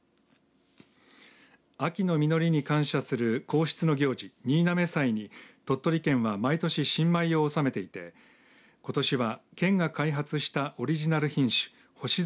秋の実りに感謝する皇室の行事、新嘗祭に鳥取県は毎年、新米を納めていてことしは県が開発したオリジナル品種星空